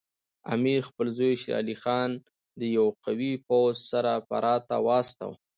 امیر خپل زوی شیر علي خان د یوه قوي پوځ سره فراه ته واستاوه.